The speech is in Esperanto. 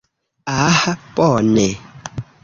Ah bone!